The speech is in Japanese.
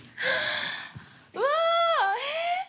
うわ！